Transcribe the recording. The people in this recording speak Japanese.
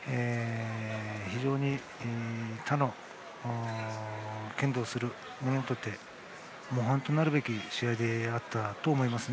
非常に他の剣道する人間にとって模範となるべき試合であったと思います。